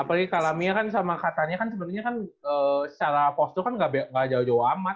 apalagi kalamnya kan sama kak tania kan sebenernya kan secara postur kan ga jauh jauh amat